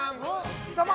どうも！